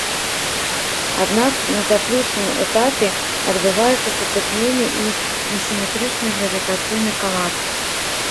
Аднак на заключным этапе адбываецца сутыкненне і несіметрычны гравітацыйны калапс.